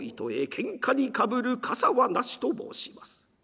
『喧嘩にかぶる笠はなし』と申します。